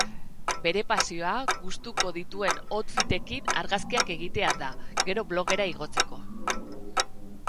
Bere pasioa gustuko dituen outfitekin argazkiak egitea da, gero blogera igotzeko.